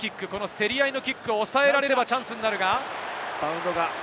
競り合いのキックを抑えられれば、チャンスになるが。